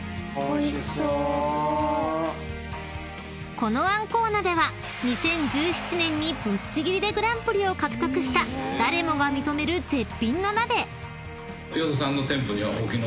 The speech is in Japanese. ［このあんこう鍋は２０１７年にぶっちぎりでグランプリを獲得した誰もが認める絶品の鍋］